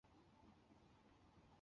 在苏联财政部研究所任经济学家。